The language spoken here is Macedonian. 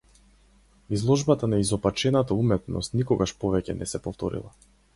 Изложбата на изопачената уметност никогаш повеќе не се повторила.